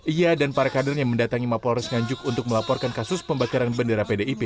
ia dan para kader yang mendatangi mapolres nganjuk untuk melaporkan kasus pembakaran bendera pdip